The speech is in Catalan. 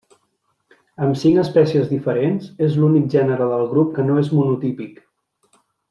Amb cinc espècies diferents, és l'únic gènere del grup que no és monotípic.